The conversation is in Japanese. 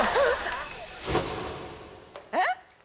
えっ？